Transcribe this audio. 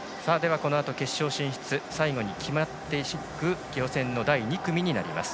このあと決勝進出が最後に決まっていく予選の第２組になります。